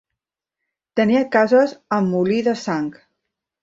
Tenia cases amb molí de sang.